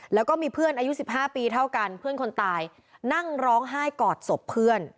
แล้วก็มีเพื่อนอายุ๑๕ปีเท่ากันเพื่อนคนตายนั่งร้องไห้กอดศพเพื่อน